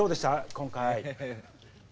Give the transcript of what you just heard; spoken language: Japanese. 今回。